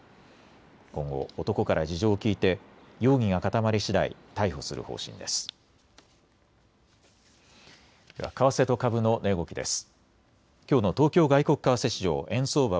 今後、男から事情を聴いて容疑が固まりしだい逮捕する方針です。